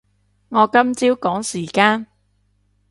我今朝趕時間